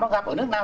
nó gặp ở nước nào